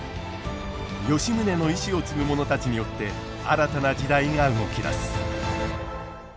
吉宗の遺志を継ぐ者たちによって新たな時代が動き出す。